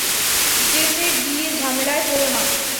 যেচে গিয়ে ঝামেলায় পড়ো না।